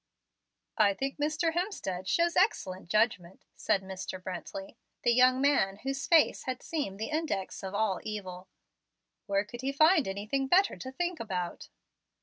"I think Mr. Hemstead shows excellent judgment," said Mr. Brently, the young man whose face had seemed the index of all evil. "Where could he find anything better to think about?"